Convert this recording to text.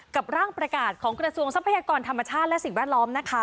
กับร่างประกาศของกระทรวงทรัพยากรธรรมชาติและสิ่งแวดล้อมนะคะ